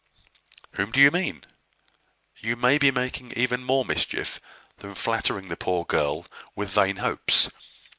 "Whom do you mean?" "You may be making even more mischief than flattering the poor girl with vain hopes.